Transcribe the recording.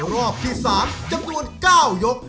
รอบที่๓จำนวน๙ยก